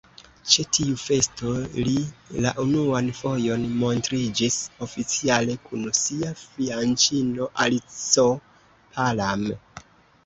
Ĉe tiu festo li la unuan fojon montriĝis oficiale kun sia fianĉino Alico Palam.